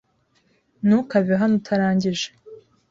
Ntukave hano utarangije.